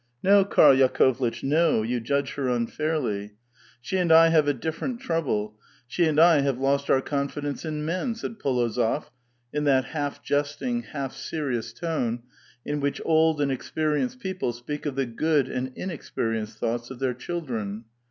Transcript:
No, Karl Yakovlitch, no ; you judge her unfairly ; she and I have a different trouble ; she arid I have lost our confidence in men," said P6lozof in that half jesting, half serious tone in which old and experienced people speak of the good and inexperienced thoughts of their children.